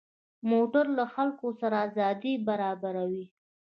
موټر له خلکو سره ازادي برابروي.